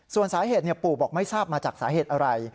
ส่วนสาเหตุปู่บอกไม่ทราบมาจากสาเหตุอะไร